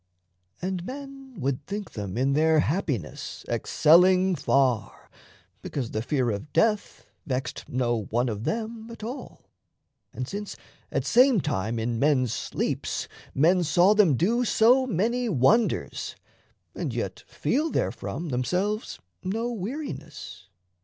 And men would think them in their happiness Excelling far, because the fear of death Vexed no one of them at all, and since At same time in men's sleeps men saw them do So many wonders, and yet feel therefrom Themselves no weariness.